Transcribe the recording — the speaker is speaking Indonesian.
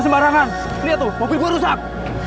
kamila kamu tidak akan bisa tahan